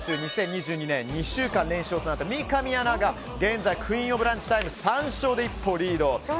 ２０２２年２週連勝となった三上アナが現在クイーン・オブ・ランチタイム３勝で一歩リード。